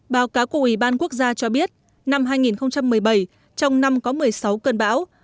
báo cáo của ủy ban quốc gia cho biết năm hai nghìn một mươi bảy trong năm có một mươi sáu cơn bão